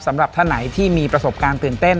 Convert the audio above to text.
สำหรับท่านไหนที่มีประสบการณ์ตื่นเต้น